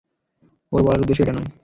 ওর বলার উদ্দেশ্য এটা নয়।